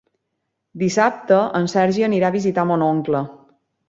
Dissabte en Sergi anirà a visitar mon oncle.